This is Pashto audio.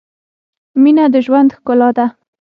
• مینه د ژوند ښکلا ده.